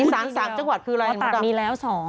อีสานสามจังหวัดคืออะไรมีแล้ว๒